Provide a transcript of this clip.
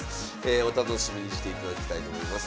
お楽しみにしていただきたいと思います。